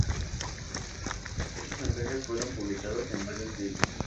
Esos mensajes fueron publicados en varios libros.